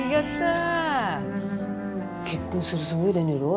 結婚するつもりでねえろ？